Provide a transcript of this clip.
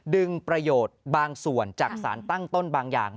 ดึงประโยชน์บางส่วนจากสารตั้งต้นบางอย่าง